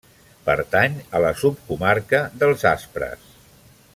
Pertany a la subcomarca dels Aspres.